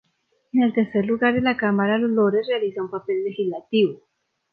En tercer lugar la Cámara de los Lores realiza un papel legislativo.